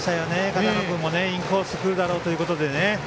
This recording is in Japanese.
片野君もインコースくるだろうということで。